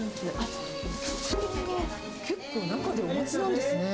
お客さんが結構、中でお待ちなんですね。